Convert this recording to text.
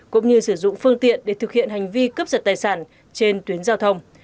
cũng như sử dụng phương tiện để thực hiện hành vi cướp giật tài sản trên tuyến giao thông